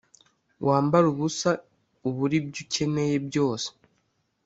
wambare ubusa, ubure ibyo ukeneye byose.